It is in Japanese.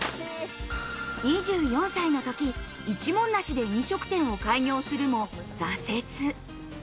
２４歳のとき、一文なしで飲食店を開業するも挫折。